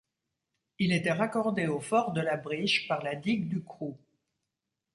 Il était raccordé au Fort de la Briche par la Digue du Croult.